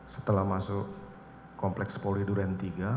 setelah masuk kompleks polri duren tiga